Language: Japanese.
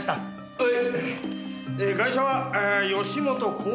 はい。